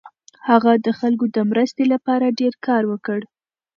هغه د خلکو د مرستې لپاره ډېر کار وکړ.